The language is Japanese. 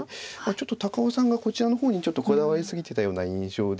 高尾さんがこちらの方にちょっとこだわり過ぎてたような印象で。